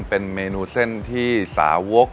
เป็นเมนูเส้นที่สาวก